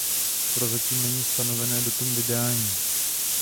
Prozatím není stanovené datum vydání.